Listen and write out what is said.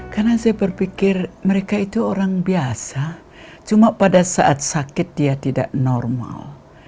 karena saya berpikir mereka itu orang biasa cuma pada saat sakit dia tidak normal